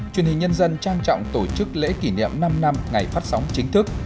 truyền hình nhân dân trang trọng tổ chức lễ kỷ niệm năm năm ngày phát sóng chính thức